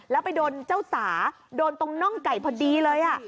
แล้วไปโดนเจ้าสาโดนตรงน่องไก่พอดีเลย